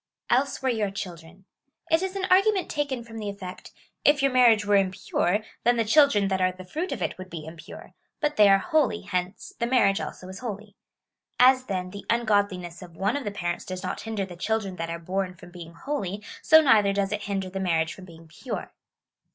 Else were your children. It is an argument taken from the eff'ect —" If your marriage were impure, then the child ren that are the fruit of it would be impure ; but they are holy ; hence the marriage also is holy. As, then, the un godliness of one of the parents does not hinder the children that are born from being holy, so neither does it hinder the marriage from being pure."